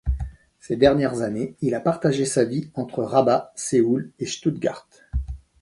Ces dernières années il a partagé sa vie entre Rabat, Séoul et Stuttgart.